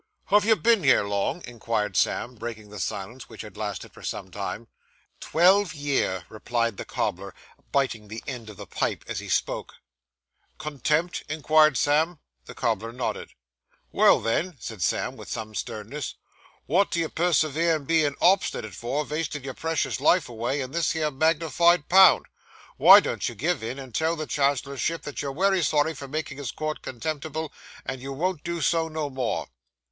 'Have you been here long?' inquired Sam, breaking the silence which had lasted for some time. 'Twelve year,' replied the cobbler, biting the end of his pipe as he spoke. 'Contempt?' inquired Sam. The cobbler nodded. 'Well, then,' said Sam, with some sternness, 'wot do you persevere in bein' obstinit for, vastin' your precious life away, in this here magnified pound? Wy don't you give in, and tell the Chancellorship that you're wery sorry for makin' his court contemptible, and you won't do so no more?